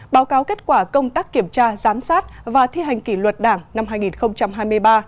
báo cáo kết quả công tác kiểm tra giám sát và thi hành kỷ luật đảng năm hai nghìn hai mươi ba